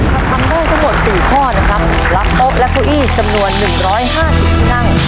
ถ้าทำได้ทั้งหมด๔ข้อนะครับรับโต๊ะและเก้าอี้จำนวน๑๕๐ที่นั่ง